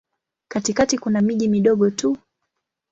Katikati kuna miji midogo tu.